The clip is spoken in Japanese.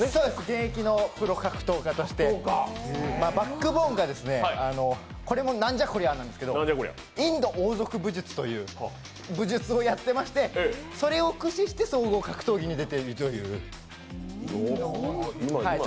現役のプロ格闘家としてバックボーンが、これもなんじゃこりゃなんですけど、インド王族武術という武術をやってましてそれを駆使して総合格闘技に出ているという。